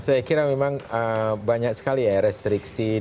ya saya kira memang banyak sekali ya restriksi dan brep